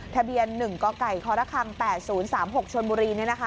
ทะเบียน๑กกค๘๐๓๖ชนบุรี